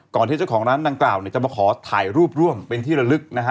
ที่เจ้าของร้านดังกล่าวเนี่ยจะมาขอถ่ายรูปร่วมเป็นที่ระลึกนะฮะ